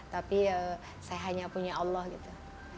tapi saya hanya punya allah gitu